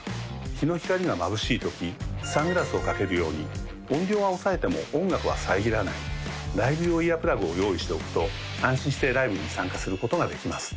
日の光がまぶしい時サングラスを掛けるように音量は抑えても音楽は遮らないライブ用イヤープラグを用意しておくと安心してライブに参加することができます